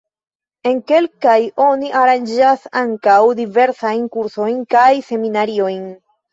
En kelkaj oni aranĝas ankaŭ diversajn kursojn kaj seminariojn.